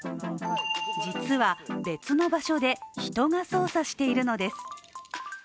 実は別の場所で人が操作しているのです。